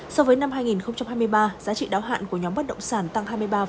so với năm hai nghìn hai mươi ba giá trị đáo hạn của nhóm bất động sản tăng hai mươi ba